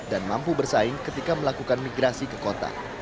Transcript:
dan mampu bersaing ketika melakukan migrasi ke kota